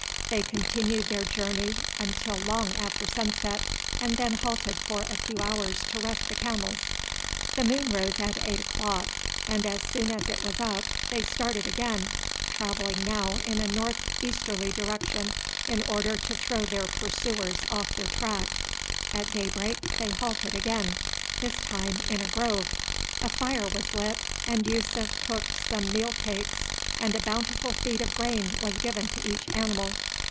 They continued their journey until long after sunset, and then halted for a few hours to rest the camels. The moon rose at eight o'clock, and as soon as it was up they started again, travelling now in a north easterly direction in order to throw their pursuers off their track. At daybreak they halted again, this time in a grove. A fire was lit and Yussuf cooked some meal cakes, and a bountiful feed of grain was given to each animal.